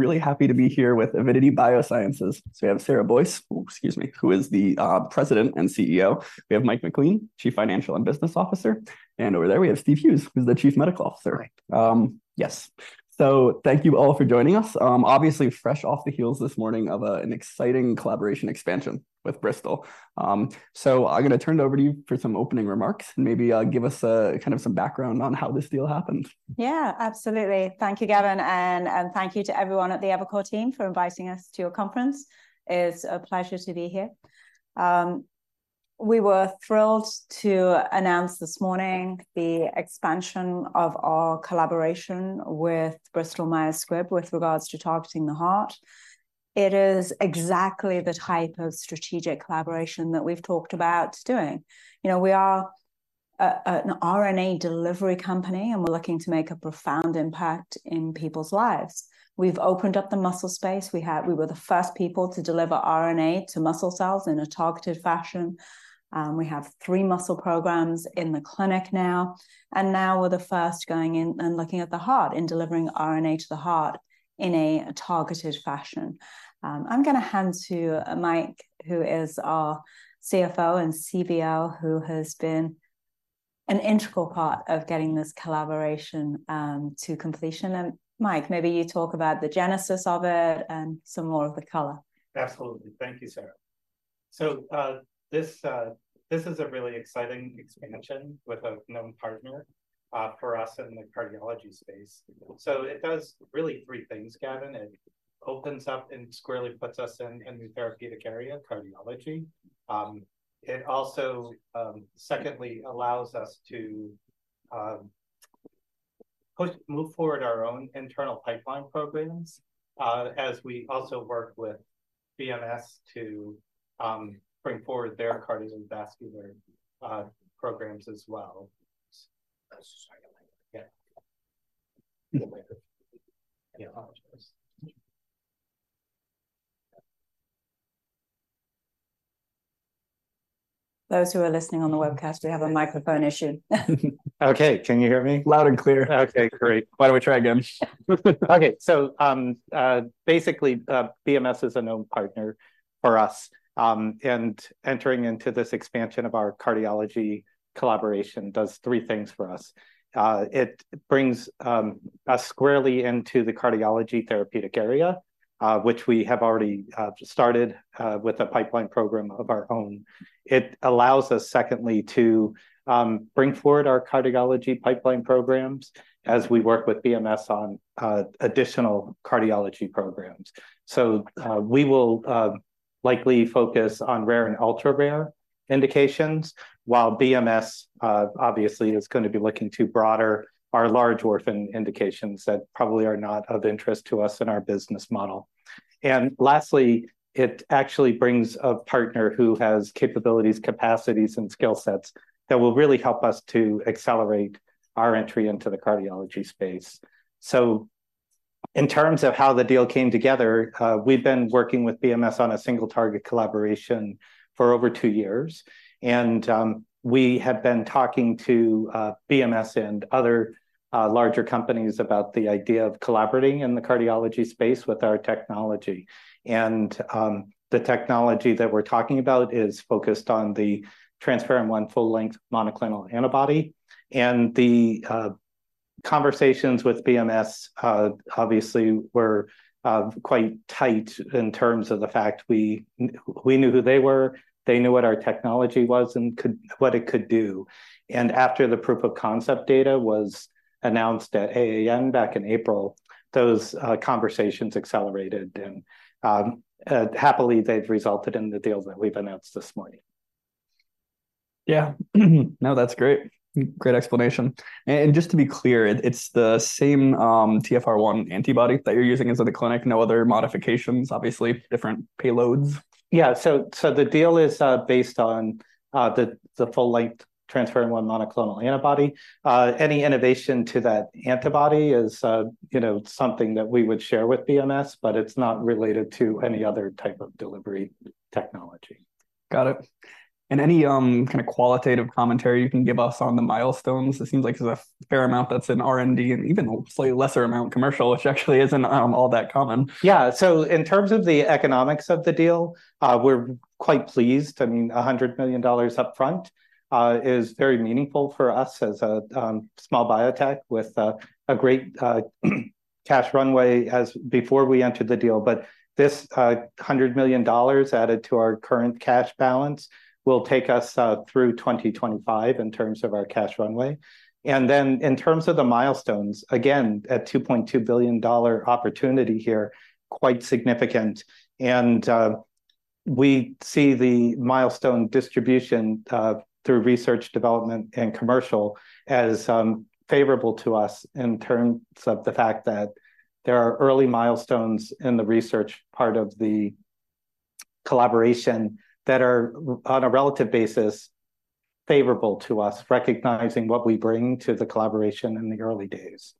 Really happy to be here with Avidity Biosciences. So we have Sarah Boyce, excuse me, who is the President and CEO. We have Mike MacLean, Chief Financial and Business Officer, and over there we have Steve Hughes, who's the Chief Medical Officer. Right. Yes. So thank you all for joining us. Obviously, fresh off the heels this morning of an exciting collaboration expansion with Bristol. So I'm going to turn it over to you for some opening remarks, and maybe give us kind of some background on how this deal happened. Yeah, absolutely. Thank you, Gavin, and, and thank you to everyone at the Evercore team for inviting us to your conference. It's a pleasure to be here. We were thrilled to announce this morning the expansion of our collaboration with Bristol Myers Squibb, with regards to targeting the heart. It is exactly the type of strategic collaboration that we've talked about doing. You know, we are a, an RNA delivery company, and we're looking to make a profound impact in people's lives. We've opened up the muscle space, we were the first people to deliver RNA to muscle cells in a targeted fashion. We have three muscle programs in the clinic now, and now we're the first going in and looking at the heart, and delivering RNA to the heart in a targeted fashion. I'm going to hand to Mike, who is our CFO and CBO, who has been an integral part of getting this collaboration to completion. And, Mike, maybe you talk about the genesis of it and some more of the color. Absolutely. Thank you, Sarah. So, this is a really exciting expansion with a known partner for us in the cardiology space. So it does really three things, Gavin. It opens up and squarely puts us in the therapeutic area, cardiology. It also, secondly, allows us to move forward our own internal pipeline programs as we also work with BMS to bring forward their cardiovascular programs as well. Sorry, yeah. The microphone. I apologize. Those who are listening on the webcast, we have a microphone issue. Okay, can you hear me? Loud and clear. Okay, great. Why don't we try again? Okay, so, basically, BMS is a known partner for us, and entering into this expansion of our cardiology collaboration does three things for us. It brings us squarely into the cardiology therapeutic area, which we have already started with a pipeline program of our own. It allows us, secondly, to bring forward our cardiology pipeline programs as we work with BMS on additional cardiology programs. So, we will likely focus on rare and ultra-rare indications, while BMS obviously is going to be looking to broader or large orphan indications that probably are not of interest to us in our business model. And lastly, it actually brings a partner who has capabilities, capacities, and skill sets that will really help us to accelerate our entry into the cardiology space. So in terms of how the deal came together, we've been working with BMS on a single-target collaboration for over two years, and we had been talking to BMS and other larger companies about the idea of collaborating in the cardiology space with our technology. And the technology that we're talking about is focused on the transferrin 1 full-length monoclonal antibody, and the conversations with BMS obviously were quite tight in terms of the fact we knew who they were, they knew what our technology was and what it could do. And after the proof of concept data was announced at AAN back in April, those conversations accelerated, and happily, they've resulted in the deal that we've announced this morning. Yeah. No, that's great. Great explanation. And just to be clear, it, it's the same, TfR1 antibody that you're using inside the clinic, no other modifications, obviously, different payloads? Yeah, so the deal is based on the full-length transferrin 1 monoclonal antibody. Any innovation to that antibody is, you know, something that we would share with BMS, but it's not related to any other type of Delivery Technology. Got it. Any kind of qualitative commentary you can give us on the milestones? It seems like there's a fair amount that's in R&D, and even a slightly lesser amount commercial, which actually isn't all that common. Yeah. So in terms of the economics of the deal, we're quite pleased. I mean, $100 million upfront is very meaningful for us as a small biotech with a great cash runway as before we entered the deal. But this $100 million added to our current cash balance will take us through 2025 in terms of our cash runway. And then in terms of the milestones, again, a $2.2 billion opportunity here, quite significant. And we see the milestone distribution through research, development, and commercial as favorable to us in terms of the fact that there are early milestones in the research part of the collaboration that are, on a relative basis, favorable to us, recognizing what we bring to the collaboration in the early days.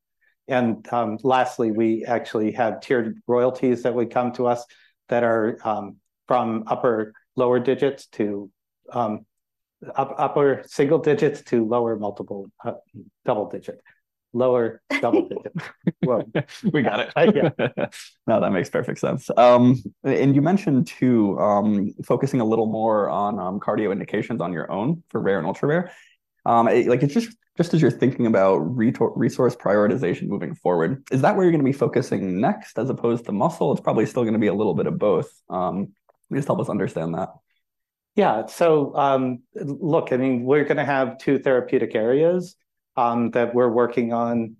Lastly, we actually have tiered royalties that would come to us that are from upper lower digits to upper single digits to lower double digits. Well, we got it. Yeah. No, that makes perfect sense. And you mentioned, too, focusing a little more on cardio indications on your own for rare and ultra rare. Like, just as you're thinking about resource prioritization moving forward, is that where you're going to be focusing next, as opposed to muscle? It's probably still going to be a little bit of both. Just help us understand that. Yeah. So, look, I mean, we're going to have two therapeutic areas that we're working on.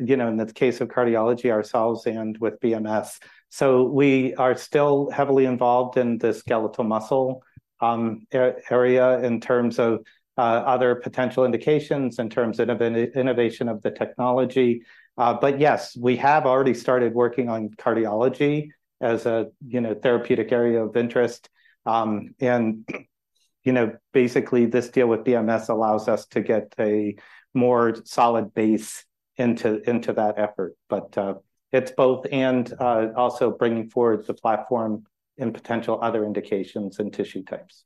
You know, in the case of cardiology ourselves and with BMS, so we are still heavily involved in the skeletal muscle area in terms of other potential indications, in terms of innovation of the technology. But yes, we have already started working on cardiology as a you know, therapeutic area of interest. And, you know, basically this deal with BMS allows us to get a more solid base into that effort, but it's both, and also bringing forward the platform and potential other indications and tissue types.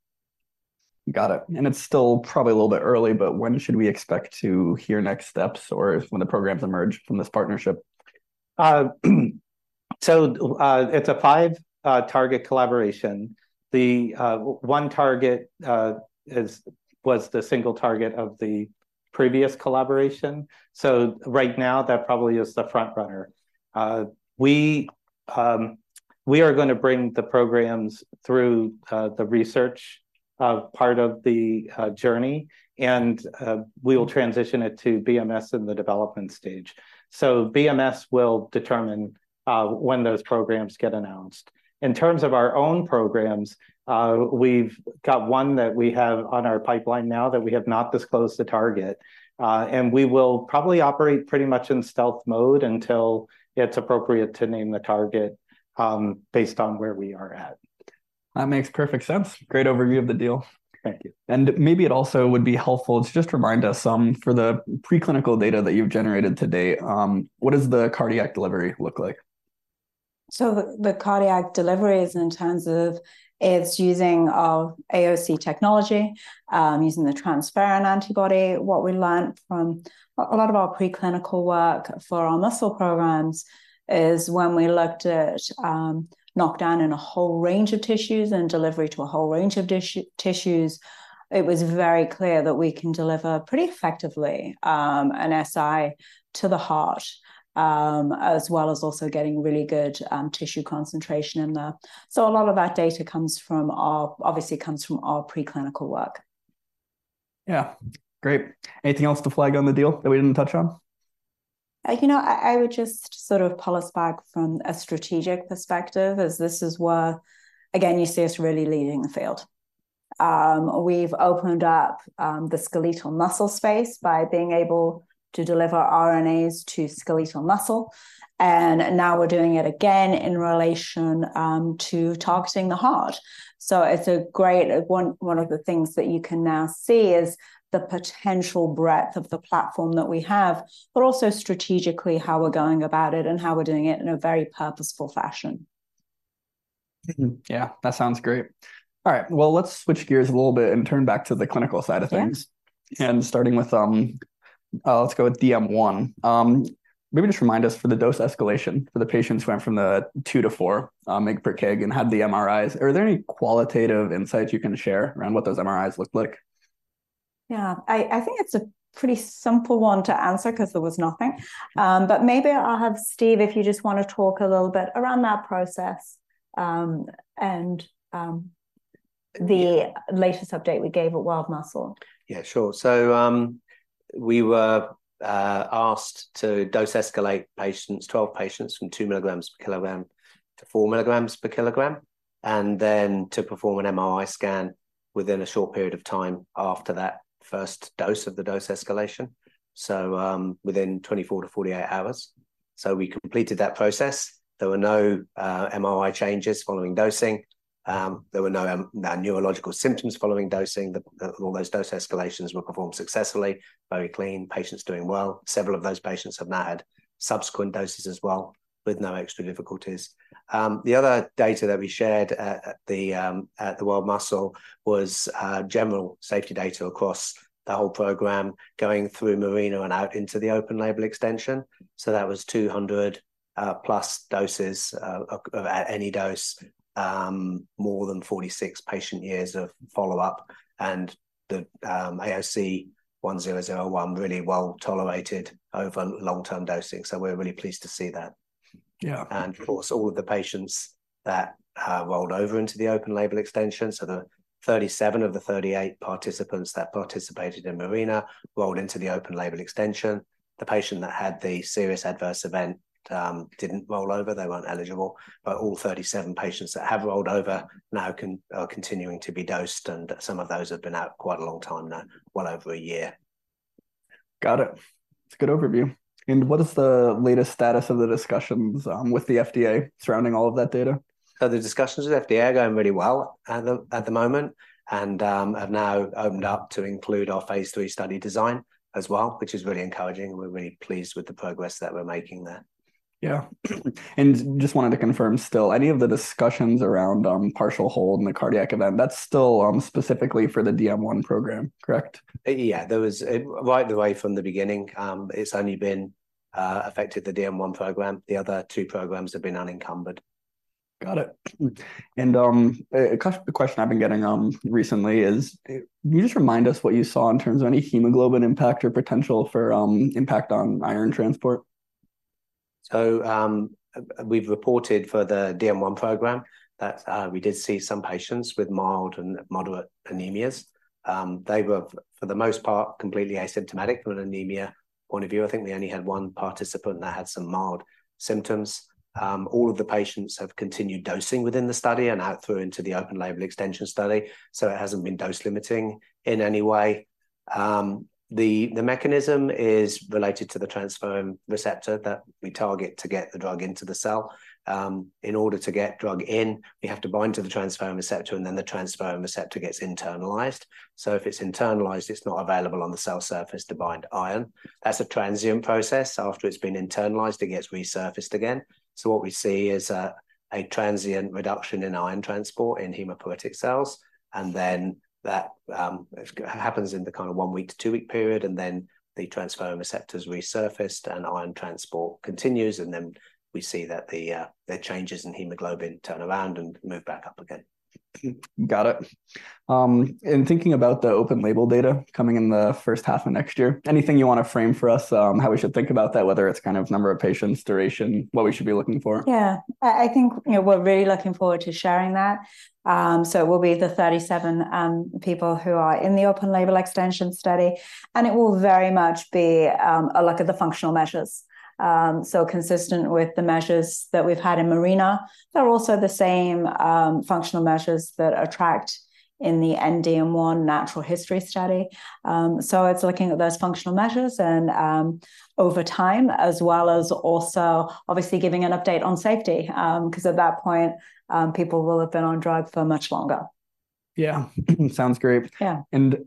Got it. It's still probably a little bit early, but when should we expect to hear next steps, or when the programs emerge from this partnership? So, it's a 5-target collaboration. The one target was the single target of the previous collaboration, so right now, that probably is the front runner. We are going to bring the programs through the research part of the journey, and we will transition it to BMS in the development stage. So BMS will determine when those programs get announced. In terms of our own programs, we've got one that we have on our pipeline now that we have not disclosed the target, and we will probably operate pretty much in stealth mode until it's appropriate to name the target, based on where we are at. That makes perfect sense. Great overview of the deal. Thank you. Maybe it also would be helpful to just remind us, for the preclinical data that you've generated to date, what does the cardiac delivery look like? So the cardiac delivery is in terms of it's using our AOC technology, using the transferrin antibody. What we learned from a lot of our preclinical work for our muscle programs is when we looked at knockdown in a whole range of tissues and delivery to a whole range of tissues, it was very clear that we can deliver pretty effectively an siRNA to the heart, as well as also getting really good tissue concentration in there. So a lot of our data obviously comes from our preclinical work. Yeah. Great. Anything else to flag on the deal that we didn't touch on? You know, I would just sort of pull us back from a strategic perspective, as this is where, again, you see us really leading the field. We've opened up the Skeletal Muscle space by being able to deliver RNAs to Skeletal Muscle, and now we're doing it again in relation to targeting the heart. So it's a great one of the things that you can now see is the potential breadth of the platform that we have, but also strategically, how we're going about it and how we're doing it in a very purposeful fashion. Yeah, that sounds great. All right, well, let's switch gears a little bit and turn back to the clinical side of things. Yeah. Starting with, let's go with DM1. Maybe just remind us, for the dose escalation, for the patients who went from the 2mg-4 mg per kg and had the MRIs, are there any qualitative insights you can share around what those MRIs looked like? Yeah. I think it's a pretty simple one to answer, 'cause there was nothing. But maybe I'll have Steve, if you just want to talk a little bit around that process, and the latest update we gave at World Muscle. Yeah, sure. So, we were asked to dose escalate patients, 12 patients, from 2 milligrams per kilogram to 4 milligrams per kilogram, and then to perform an MRI scan within a short period of time after that first dose of the dose escalation, so, within 24-48 hours. So we completed that process. There were no MRI changes following dosing. There were no neurological symptoms following dosing. All those dose escalations were performed successfully, very clean, patients doing well. Several of those patients have now had subsequent doses as well, with no extra difficulties. The other data that we shared at the World Muscle was general safety data across the whole program, going through MARINA and out into the open-label extension. So that was 200 plus doses of at any dose more than 46 patient years of follow-up, and the AOC 1001 really well tolerated over long-term dosing, so we're really pleased to see that. Yeah. Of course, all of the patients that rolled over into the open-label extension, so the 37 of the 38 participants that participated in MARINA rolled into the open-label extension. The patient that had the serious adverse event didn't roll over, they weren't eligible, but all 37 patients that have rolled over now can, are continuing to be dosed, and some of those have been out quite a long time now, well over a year. Got it. It's a good overview. What is the latest status of the discussions with the FDA surrounding all of that data? The discussions with FDA are going really well at the moment, and have now opened up to include our Phase III study design as well, which is really encouraging, and we're really pleased with the progress that we're making there. Yeah. And just wanted to confirm still, any of the discussions around partial hold in the cardiac event, that's still specifically for the DM1 program, correct? Yeah, there was, right the way from the beginning, it's only been affected the DM1 program. The other two programs have been unencumbered. Got it. A question I've been getting recently is, can you just remind us what you saw in terms of any hemoglobin impact or potential for impact on iron transport? So, we've reported for the DM1 program that we did see some patients with mild and moderate Anemia. They were, for the most part, completely asymptomatic from an Anemia point of view. I think we only had one participant that had some mild symptoms. All of the patients have continued dosing within the study and out through into the open label extension study, so it hasn't been dose-limiting in any way. The mechanism is related to the transferrin receptor that we target to get the drug into the cell. In order to get drug in, we have to bind to the transferrin receptor, and then the transferrin receptor gets internalised. So if it's internalised, it's not available on the cell surface to bind iron. That's a transient process. After it's been internalised, it gets resurfaced again. So what we see is a transient reduction in iron transport in hematopoietic cells, and then that happens in the kind of 1-week to 2-week period, and then the transferrin receptor's resurfaced, and iron transport continues, and then we see that the changes in hemoglobin turn around and move back up again. Got it. In thinking about the open label data coming in the first half of next year, anything you want to frame for us, how we should think about that, whether it's kind of number of patients, duration, what we should be looking for? Yeah. I think, you know, we're really looking forward to sharing that. So it will be the 37 people who are in the open label extension study, and it will very much be a look at the functional measures. So consistent with the measures that we've had in MARINA, they're also the same functional measures that track in the DM1 natural history study. So it's looking at those functional measures and over time, as well as also obviously giving an update on safety, because at that point, people will have been on drug for much longer. Yeah. Sounds great. Yeah.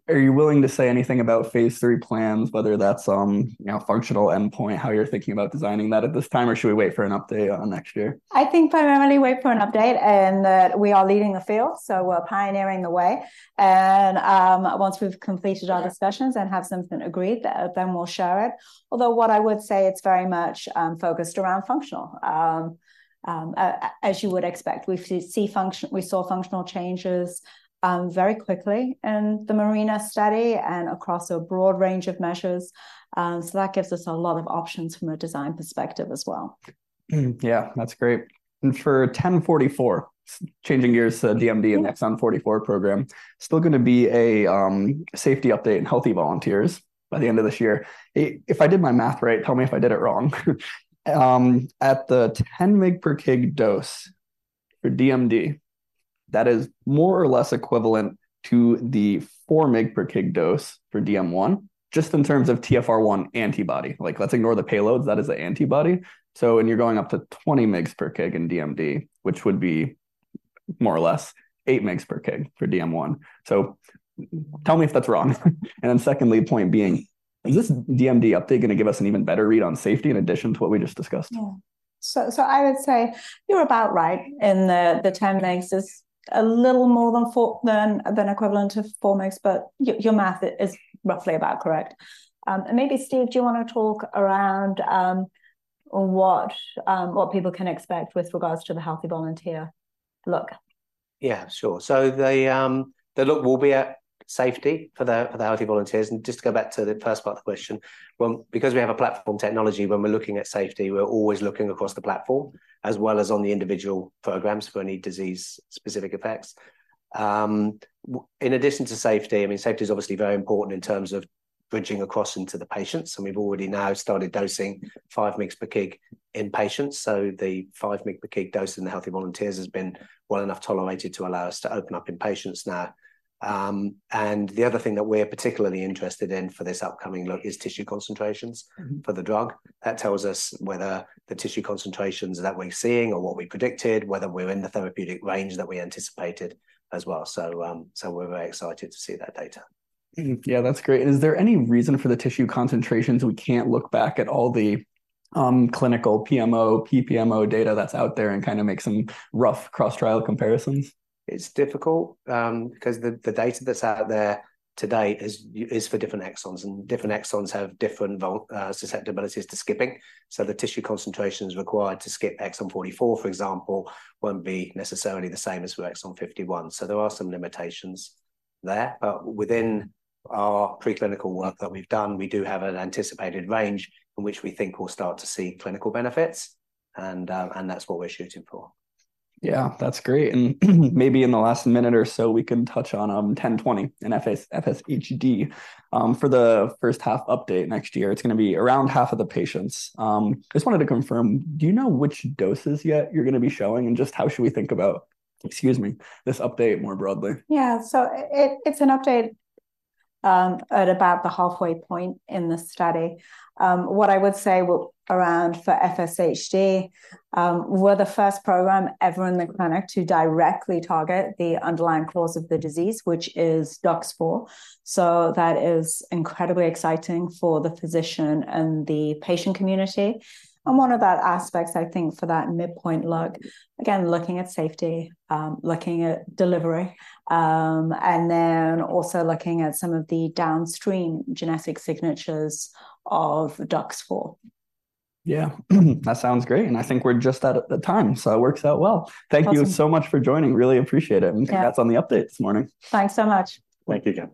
Are you willing to say anything about phase lll plans, whether that's, you know, functional endpoint, how you're thinking about designing that at this time, or should we wait for an update on next year? I think primarily wait for an update, and that we are leading the field, so we're pioneering the way. Once we've completed our discussions and have something agreed, then we'll share it. Although what I would say, it's very much focused around functional. As you would expect, we see function, we saw functional changes very quickly in the MARINA study and across a broad range of measures. So that gives us a lot of options from a design perspective as well. Mm, yeah, that's great. And for 1044, changing gears to DMD and exon 44 program, still gonna be a safety update in healthy volunteers by the end of this year. If I did my math right, tell me if I did it wrong. At the 10 mg per kg dose for DMD, that is more or less equivalent to the 4 mg per kg dose for DM1, just in terms of TfR1 antibody. Like, let's ignore the payloads, that is the antibody. So and you're going up to 20 mg per kg in DMD, which would be more or less 8 mg per kg for DM1. So tell me if that's wrong. And then secondly, point being, is this DMD update gonna give us an even better read on safety in addition to what we just discussed? Yeah. So I would say you're about right. The 10 mgs is a little more than equivalent to 4 mgs, but your math is roughly about correct. And maybe, Steve, do you wanna talk around on what people can expect with regards to the healthy volunteer look? Yeah, sure. So the look will be at safety for the healthy volunteers. And just to go back to the first part of the question, well, because we have a platform technology, when we're looking at safety, we're always looking across the platform, as well as on the individual programs for any disease-specific effects. In addition to safety, I mean, safety is obviously very important in terms of bridging across into the patients, and we've already now started dosing 5 mg per kg in patients. So the 5 mg per kg dose in the healthy volunteers has been well enough tolerated to allow us to open up in patients now. And the other thing that we're particularly interested in for this upcoming look is tissue concentrations. Mm-hmm For the drug. That tells us whether the tissue concentrations that we're seeing or what we predicted, whether we're in the therapeutic range that we anticipated as well. So, so we're very excited to see that data. Yeah, that's great. Is there any reason for the tissue concentrations we can't look back at all the clinical PMO, PPMO data that's out there and kind of make some rough cross-trial comparisons? It's difficult, because the data that's out there to date is for different exons, and different exons have different susceptibilities to skipping. So the tissue concentrations required to skip exon 44, for example, won't be necessarily the same as for exon 51. So there are some limitations there, but within our preclinical work that we've done, we do have an anticipated range in which we think we'll start to see clinical benefits, and that's what we're shooting for. Yeah, that's great. And maybe in the last minute or so, we can touch on, 1020 and FSH- FSHD. For the first half update next year, it's gonna be around half of the patients. Just wanted to confirm, do you know which doses yet you're gonna be showing, and just how should we think about, excuse me, this update more broadly? Yeah. So it, it's an update at about the halfway point in the study. What I would say around for FSHD, we're the first program ever in the clinic to directly target the underlying cause of the disease, which is DUX4. So that is incredibly exciting for the physician and the patient community. And one of the aspects, I think, for that midpoint look, again, looking at safety, looking at delivery, and then also looking at some of the downstream genetic signatures of DUX4. Yeah. That sounds great, and I think we're just out of the time, so it works out well. Awesome. Thank you so much for joining. Really appreciate it. Yeah. Congrats on the update this morning. Thanks so much. Thank you, again.